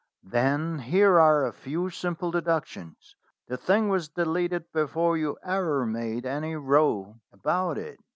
"Then here are a few simple deductions. The thing was deleted before you ever made any row about it."